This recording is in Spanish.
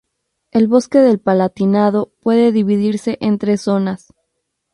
El Bosque del Palatinado puede dividirse en tres zonas.